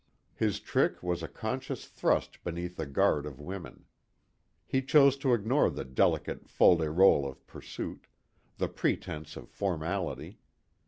His trick was a conscious thrust beneath the guard of women. He chose to ignore the delicate fol de rols of pursuit, the pretense of formality.